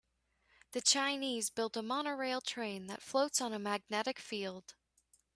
The Chinese built a monorail train that floats on a magnetic field.